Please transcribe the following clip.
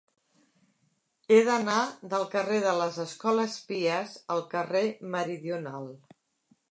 He d'anar del carrer de les Escoles Pies al carrer Meridional.